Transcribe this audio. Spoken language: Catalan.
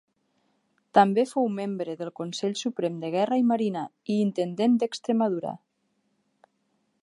També fou membre del Consell Suprem de Guerra i Marina, i Intendent d'Extremadura.